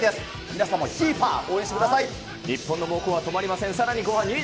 皆さんもヒーファー、応援してく日本の猛攻は止まりません。